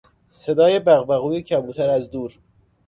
صدای بغبغوی کبوتر از دور